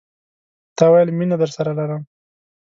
تا ويل، میینه درسره لرم